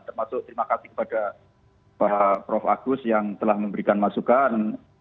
termasuk terima kasih kepada pak prof agus yang telah memberikan masukan